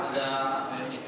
ya ya kayak gitu